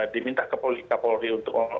diminta kapolri untuk